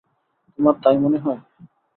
তোমার তাই মনে হয়?